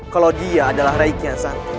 kalau dia adalah raikian santan